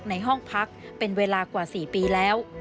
ในห้องพักเป็นเวลากว่า๔ปีแล้ว